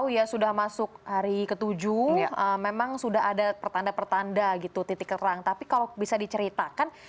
ya selamat siang mas johan